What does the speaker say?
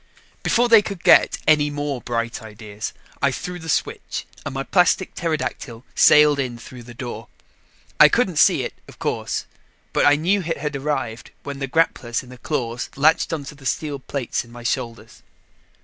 Before they could get any more bright ideas, I threw the switch and my plastic pterodactyl sailed in through the door. I couldn't see it, of course, but I knew it had arrived when the grapples in the claws latched onto the steel plates on my shoulders.